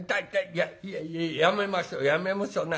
いやいややめましょやめましょな」。